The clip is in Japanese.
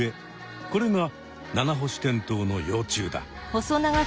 これがナナホシテントウの幼虫だ。